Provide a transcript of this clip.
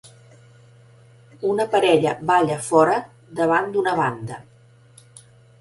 Una parella balla fora davant d'una banda.